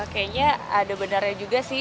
kayaknya ada benarnya juga sih